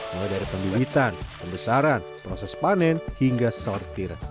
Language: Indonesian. mulai dari pembibitan pembesaran proses panen hingga sortir